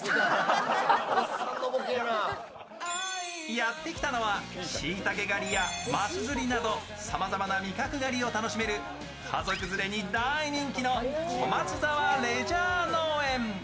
やってきたのはしいたけ狩りやます釣りなどさまざまな味覚狩りを楽しめる家族連れに大人気の小松沢レジャー農園。